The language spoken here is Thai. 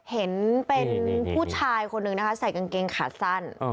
เห็นเป็นผู้ชายคนหนึ่งนะคะใส่กางเกงขาสั้น